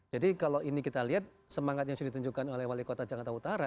jadi kalau ini kita lihat semangat yang sudah ditunjukkan oleh wali kota jakarta utara